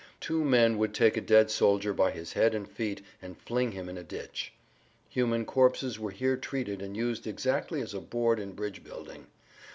Two men would take a dead soldier by his head and feet and fling him in a ditch. Human corpses were here treated and used exactly as a board in bridge building.